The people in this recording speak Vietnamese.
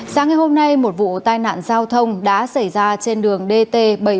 sáng ngày hôm nay một vụ tai nạn giao thông đã xảy ra trên đường dt bảy trăm bốn mươi